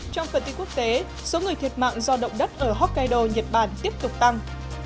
trong phần tin quốc tế số người thiệt mạng do động đất ở hokkaido nhật bản tiếp tục tăng